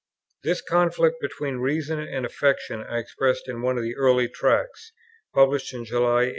This conflict between reason and affection I expressed in one of the early Tracts, published July, 1834.